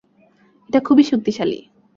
এটা খুবই শক্তিশালী।